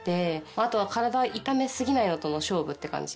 あとは体痛め過ぎないのとの勝負って感じ。